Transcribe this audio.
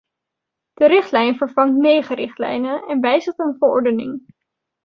De richtlijn vervangt negen richtlijnen en wijzigt een verordening.